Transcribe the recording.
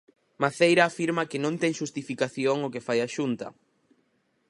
Maceira afirma que non ten xustificación o que fai a Xunta.